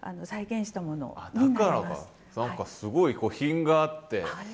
何かすごい品があって。